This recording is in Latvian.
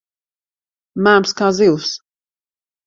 Mēms kā zivs.